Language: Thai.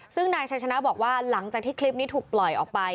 ซึ่งนายชัยชนะบอกว่าหลังจากที่คลิปนี้ถูกปล่อยออกไป